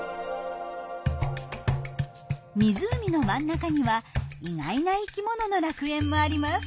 湖の真ん中には意外な生きものの楽園もあります。